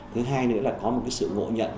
thứ hai nữa là có một cái sự ngộ nhận